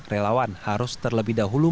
relawan harus terlebih dahulu